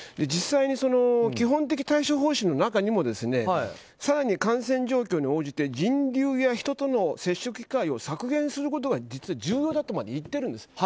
実際に基本的対処方針の中にも更に感染状況に応じて人流や、人との接触機会を削減することが重要とまで言ってるんです。